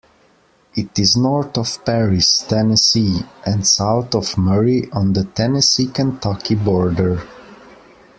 It is north of Paris, Tennessee, and south of Murray on the Tennessee-Kentucky border.